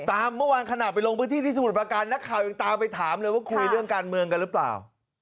หรือที่ที่สมุดประการนักข่าวยังตามไปถามเลยว่าคุยเรื่องการเมืองกันหรือเปล่า